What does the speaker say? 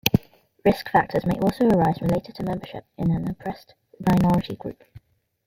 Risk factors may also arise related to membership in an oppressed minority group.